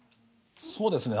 そうですね。